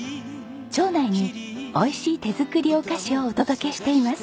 町内においしい手作りお菓子をお届けしています。